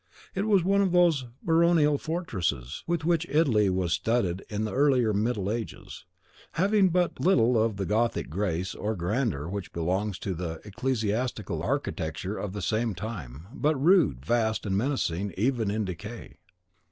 It was one of those baronial fortresses with which Italy was studded in the earlier middle ages, having but little of the Gothic grace or grandeur which belongs to the ecclesiastical architecture of the same time, but rude, vast, and menacing, even in decay.